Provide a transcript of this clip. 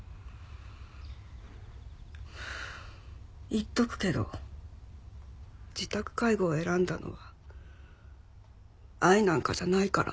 言っとくけど自宅介護を選んだのは愛なんかじゃないから。